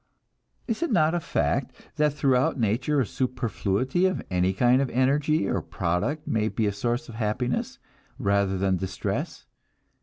Is it not a fact that throughout nature a superfluity of any kind of energy or product may be a source of happiness, rather than of distress?